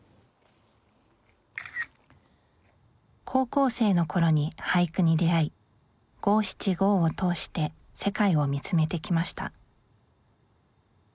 高校生の頃に俳句に出会い五七五を通して世界を見つめてきました